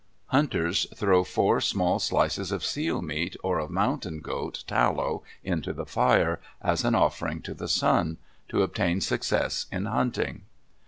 Hunters throw four small slices of seal meat, or of mountain goat tallow, into the fire, as an offering to Sun, to obtain success in hunting.